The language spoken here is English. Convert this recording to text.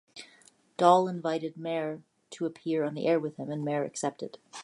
Dahl invited Meier to appear on the air with him, and Meier accepted.